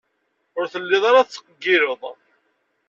Ur telliḍ ara tettqeyyileḍ.